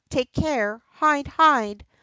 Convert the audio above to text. Take care! Hide, hide !